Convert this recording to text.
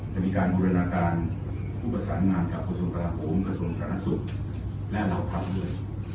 จะมีการบุรณาการผู้ประสานงานกับกระทรวงกระทะโฮมกระทรวงศาสตร์นักศุกร์และรัฐภัพย์ด้วย